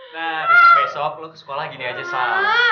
nah besok besok lo ke sekolah gini aja sal